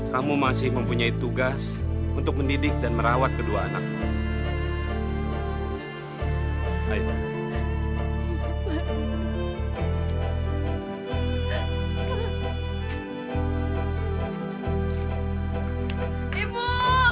kamu masih mempunyai tugas untuk mendidik dan merawat kedua anak